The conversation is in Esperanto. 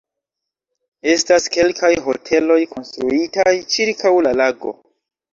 Estas kelkaj hoteloj konstruitaj ĉirkaŭ la lago.